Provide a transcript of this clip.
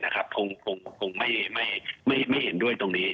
คงไม่เห็นด้วยตรงนี้